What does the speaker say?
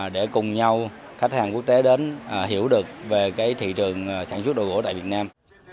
để cùng nhau khách hàng quốc tế đến hiểu được về thị trường sản xuất đồ gỗ tại việt nam